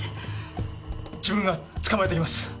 自分が捕まえてきます！